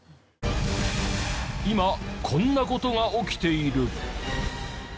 今こんな事が起きている！